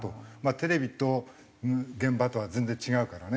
テレビと現場とは全然違うからね